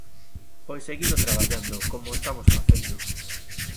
Pois seguindo traballando como o estamos facendo.